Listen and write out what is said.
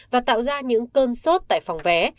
và tạo ra những cơn sốt tại phòng vé